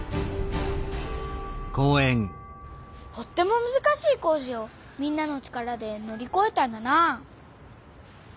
とってもむずかしい工事をみんなの力でのりこえたんだなあ。